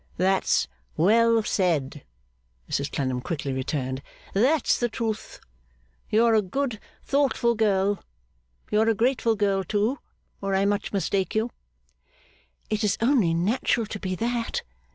'That's well said!' Mrs Clennam quickly returned. 'That's the truth! You are a good, thoughtful girl. You are a grateful girl too, or I much mistake you.' 'It is only natural to be that.